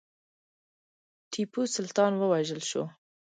ټیپو سلطان ووژل شو.